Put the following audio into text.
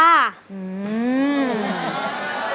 อืม